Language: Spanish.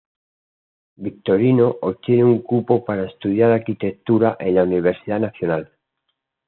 Victorino obtiene un cupo para estudiar arquitectura en la Universidad Nacional.